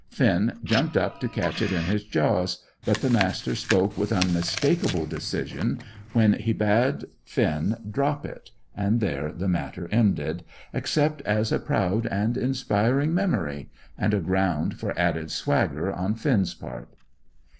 Finn jumped to catch it in his jaws; but the Master spoke with unmistakable decision when he bade Finn drop it, and there the matter ended, except as a proud and inspiring memory, and a ground for added swagger on Finn's part.